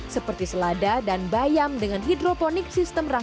seperti selada dan bayam dengan hidroponik sistem rakit apung